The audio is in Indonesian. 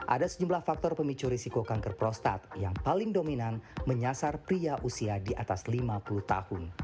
ada sejumlah faktor pemicu risiko kanker prostat yang paling dominan menyasar pria usia di atas lima puluh tahun